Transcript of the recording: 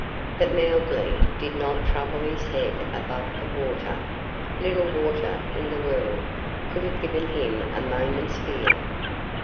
But Mowgli did not trouble his head about the water; little water in the world could have given him a moment's fear.